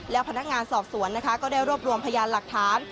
และพนักงานสอบสวนนะคะก็ได้รวบรวมพยานหลักฐาน